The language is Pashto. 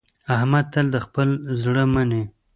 احمد تل د خپل زړه مني.